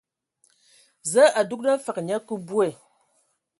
Zǝǝ a dugan fǝg nye kǝ bwe.